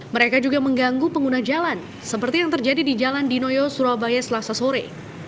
mereka juga mengganggu pengguna jalan seperti yang terjadi di jalan dinoyo surabaya selasa sore